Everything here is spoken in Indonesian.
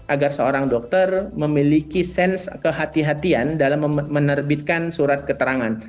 agar seorang dokter memiliki sens kehatian dalam menerbitkan surat keterangan